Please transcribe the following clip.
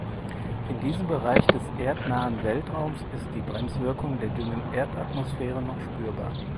In diesem Bereich des erdnahen Weltraums ist die Bremswirkung der dünnen Erdatmosphäre noch spürbar.